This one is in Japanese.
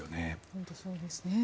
本当にそうですね。